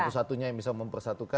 satu satunya yang bisa mempersatukan